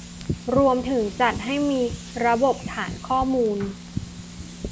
รวมถึงจัดให้มีระบบฐานข้อมูล